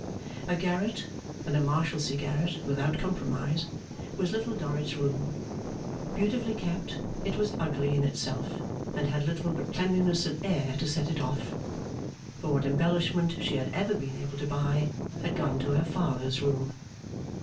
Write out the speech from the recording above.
A garret, and a Marshalsea garret without compromise, was Little Dorrit's room. Beautifully kept, it was ugly in itself, and had little but cleanliness and air to set it off; for what embellishment she had ever been able to buy, had gone to her father's room.